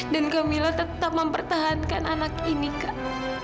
dan kamilah tetap mempertahankan anak ini kak